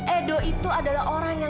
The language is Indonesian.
edo itu adalah orang yang